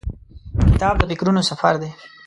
کتاب د فکرونو سفر دی.